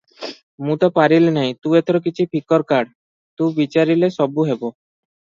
ମୁଁ ତ ପାରିଲି ନାହିଁ ତୁ ଏଥିର କିଛି ଫିକର କାଢ଼, ତୁ ବିଚାରିଲେ ସବୁ ହେବ!